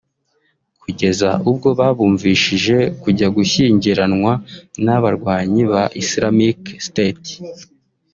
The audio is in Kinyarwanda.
kugeza ubwo babumvishije kujya gushyingiranwa n’abarwanyi ba Islamic State